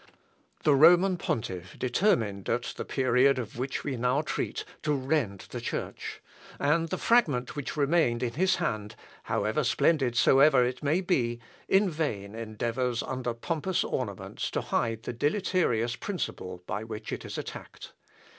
The Roman pontiff determined at the period of which we now treat to rend the Church; and the fragment which remained in his hand, how splendid soever it may be, in vain endeavours under pompous ornaments to hide the deleterious principle by which it is attacked.